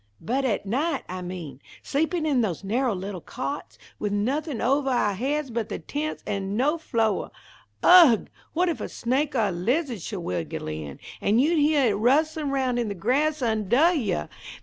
"But at night, I mean. Sleepin' in those narrow little cots, with nothin' ovah ou' heads but the tents, and no floah. Ugh! What if a snake or a liz'ad should wiggle in, and you'd heah it rustlin' around in the grass undah you!